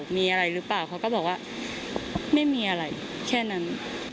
มีอะไรหรือเปล่าเขาก็บอกว่าไม่มีอะไรแค่นั้น